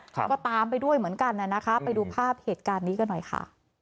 ก็ตามไปด้วยเหมือนกันน่ะนะคะไปดูภาพเหตุการณ์นี้กันหน่อยค่ะ